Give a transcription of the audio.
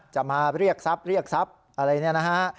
จะมาเรียกทรัพย์เรียกทรัพย์อะไรเนี่ยนะฮะ